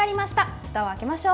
ふたを開けましょう。